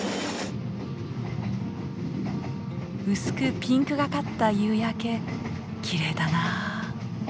薄くピンクがかった夕焼けきれいだな。